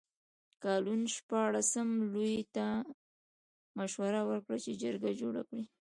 کالون شپاړسم لویي ته مشوره ورکړه چې جرګه جوړه کړي.